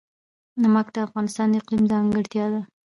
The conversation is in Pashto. نمک د افغانستان د اقلیم ځانګړتیا ده.